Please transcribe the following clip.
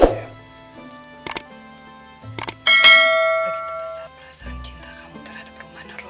begitu besar perasaan cinta kamu terhadap romana rob